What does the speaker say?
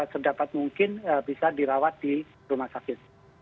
sedapat mungkin bisa dirawat di rumah sakit